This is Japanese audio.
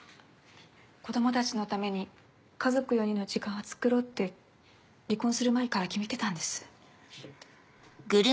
子供たちのために家族４人の時間をつくろうって離婚する前から決めてたんです。